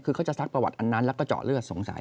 คือเขาจะซักประวัติอันนั้นแล้วก็เจาะเลือดสงสัย